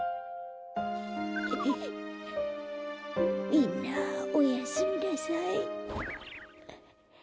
みんなおやすみなさい。